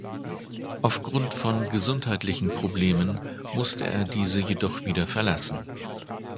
Aufgrund von gesundheitlichen Problemen musste er diese jedoch wieder verlassen.